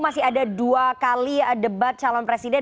masih ada dua kali debat calon presiden